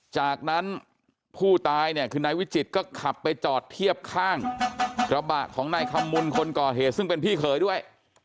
จากนั้นผู้ตายเนี่ยคือนายวิจิตรก็ขับไปจอดเทียบข้างกระบะของนายคำมุนคนก่อเหตุซึ่งเป็นพี่เขยด้วย